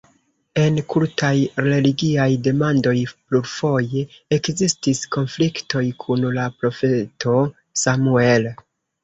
En kultaj-religiaj demandoj plurfoje ekzistis konfliktoj kun la profeto Samuel.